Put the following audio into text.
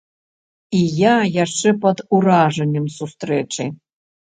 І я яшчэ пад уражаннем сустрэчы.